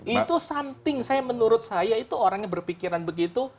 itu something saya menurut saya itu orangnya berpikiran begitu